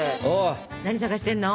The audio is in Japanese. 何探してんの？